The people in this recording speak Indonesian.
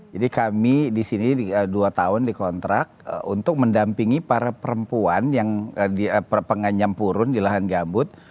jadi kami di sini dua tahun dikontrak untuk mendampingi para perempuan yang penganyam purun di lahan gambut